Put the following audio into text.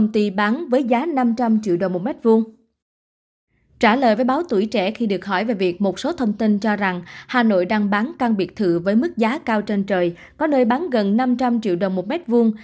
trả lời với báo tuổi trẻ khi được hỏi về việc một số thông tin cho rằng hà nội đang bán căn biệt thự với mức giá cao trên trời có nơi bán gần năm trăm linh triệu đồng một mét vuông